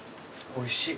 おいしい。